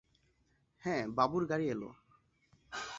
হাঁ, বাবুর গাড়ি এল।